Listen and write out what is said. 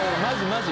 マジ？